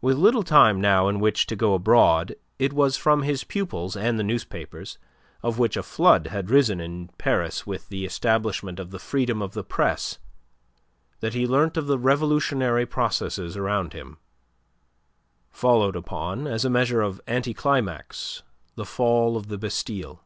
With little time now in which to go abroad it was from his pupils and the newspapers of which a flood had risen in Paris with the establishment of the freedom of the Press that he learnt of the revolutionary processes around him, following upon, as a measure of anticlimax, the fall of the Bastille.